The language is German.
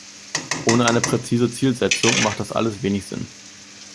Ohne eine präzise Zielsetzung macht das alles wenig Sinn.